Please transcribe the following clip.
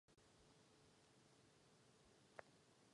Přírodní výzkumná oblast Long Creek se také nachází v chráněné oblasti.